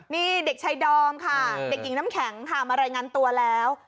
นี่เด็กชายดอมค่ะเด็กหญิงน้ำแข็งค่ะมารายงานตัวแล้ว